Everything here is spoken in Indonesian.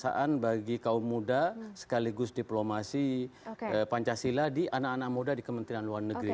kekuasaan bagi kaum muda sekaligus diplomasi pancasila di anak anak muda di kementerian luar negeri